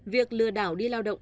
việc lừa đảo đi lao động